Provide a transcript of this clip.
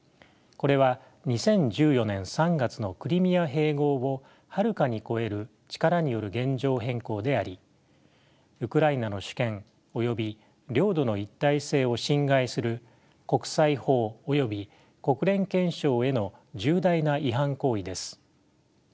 これは２０１４年３月のクリミア併合をはるかに超える力による現状変更でありウクライナの主権および領土の一体性を侵害する国際法および国連憲章への重大な違反行為です。